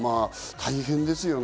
大変ですね。